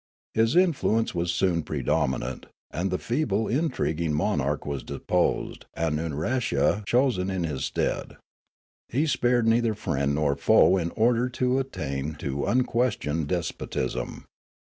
His influence was soon predominant, and the feeble intriguing monarch was deposed and Nunaresha chosen in his stead. He spared neither friend nor foe in order to attain to unquestioned despotism.